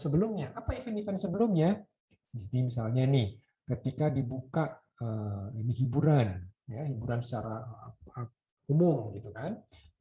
sebelumnya apa iklim ikan sebelumnya di misalnya nih ketika dibuka ke hiburan hiburan secara umum